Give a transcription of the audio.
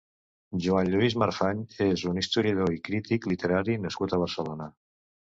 Joan Lluís Marfany és un historiador i crític literari nascut a Barcelona.